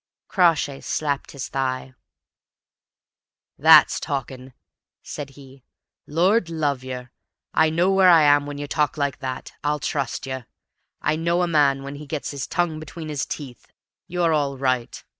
Crawshay slapped his thigh. "That's talking!" said he. "Lord love yer, I know where I am when you talk like that. I'll trust yer. I know a man when he gets his tongue between his teeth; you're all right.